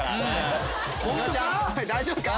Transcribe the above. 大丈夫か？